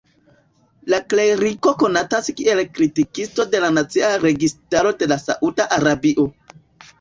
La kleriko konatas kiel kritikisto de la nacia registaro de Sauda Arabio.